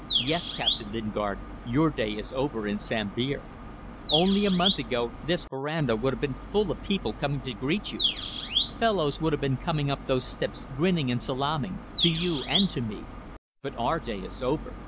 Yes, Captain Lingard, your day is over in Sambir. Only a month ago this verandah would have been full of people coming to greet you. Fellows would be coming up those steps grinning and salaaming to you and to me. But our day is over.